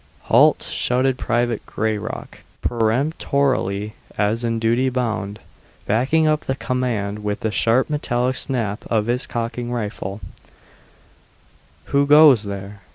"Halt!" shouted Private Grayrock, peremptorily as in duty bound, backing up the command with the sharp metallic snap of his cocking rifle "who goes there?"